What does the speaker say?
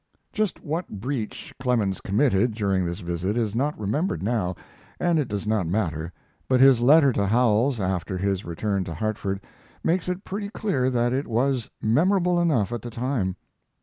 Just what breach Clemens committed during this visit is not remembered now, and it does not matter; but his letter to Howells, after his return to Hartford, makes it pretty clear that it was memorable enough at the time.